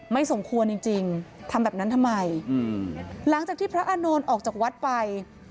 สมควรจริงจริงทำแบบนั้นทำไมอืมหลังจากที่พระอานนท์ออกจากวัดไป